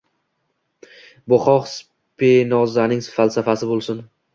Bu xoh Spinozaning falsafasi bo‘lsin